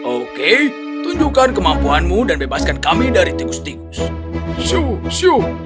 oke tunjukkan kemampuanmu dan bebaskan kami dari tikus tikus